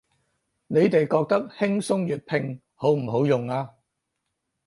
你哋覺得輕鬆粵拼好唔好用啊